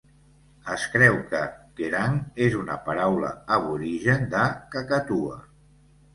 Es creu que "kerang" és una paraula aborigen de "cacatua".